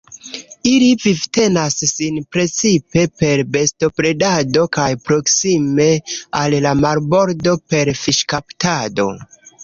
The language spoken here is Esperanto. Ili vivtenas sin precipe per bestobredado kaj proksime al la marbordo per fiŝkaptado.